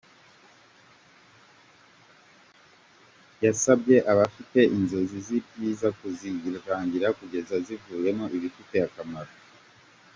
" Yasabye abafite inzozi z’ibyiza kuzizingatira kugeza zivuyemo ibifite akamaro.